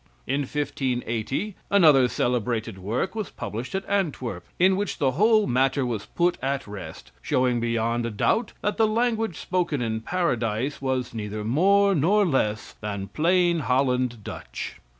In 1580 another celebrated work was published at Antwerp, in which the whole matter was put at rest, showing beyond a doubt that the language spoken in Paradise was neither more nor less than plain Holland Dutch.